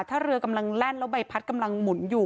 ถ้าเรือกำลังแล่นแล้วใบพัดกำลังหมุนอยู่